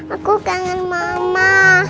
aku kangen mama